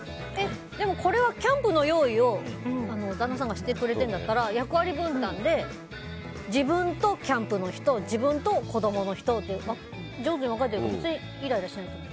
これはキャンプの用意を旦那さんがしてくれてるんだったら役割分担で、自分とキャンプの人自分と子供の人で上手に分かれてるから別にイライラしない。